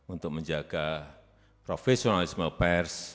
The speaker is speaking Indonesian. untuk menjaga profesionalisme pers